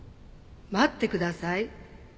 待ってください。